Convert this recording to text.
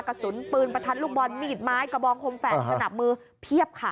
กระสุนปืนประทัดลูกบอลมีดไม้กระบองคมแฝดสนับมือเพียบค่ะ